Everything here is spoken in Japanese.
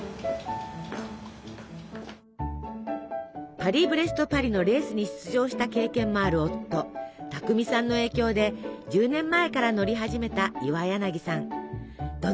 「パリ・ブレスト・パリ」のレースに出場した経験もある夫巧さんの影響で１０年前から乗り始めた岩柳さん。